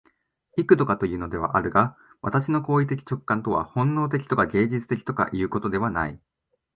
幾度かいうのであるが、私の行為的直観とは本能的とか芸術的とかいうことではない。